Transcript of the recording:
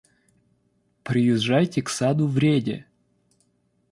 Приезжайте к саду Вреде.